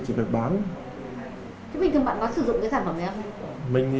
chứ bình thường bạn có sử dụng cái sản phẩm này không